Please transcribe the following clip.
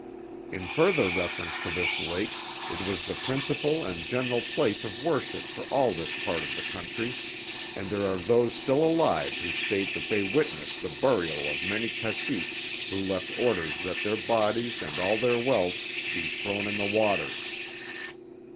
In further reference to this lake, it was the principal and general place of worship for all this part of the country, and there are those still alive who state that they witnessed the burial of many caciques who left orders that their bodies and all their wealth be thrown in the waters.